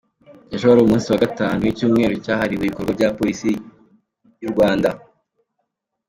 Ejo wari umunsi wa gatanu w’icyumweru cyahariwe ibikorwa bya Polisi y’u Rwanda.